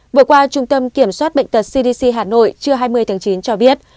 vừa qua trung tâm kiểm soát bệnh tật cdc hà nội trưa hai mươi tháng chín cho biết